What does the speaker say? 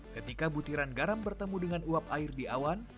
ketika butiran garam bertemu dengan uap air di awan